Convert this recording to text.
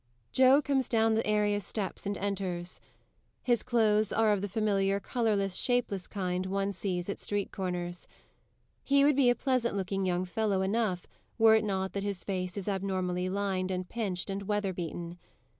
_ JOE _comes down the area steps, and enters. His clothes are of the familiar colourless, shapeless kind one sees at street corners; he would be a pleasant looking young fellow enough were it not that his face is abnormally lined, and pinched, and weather beaten.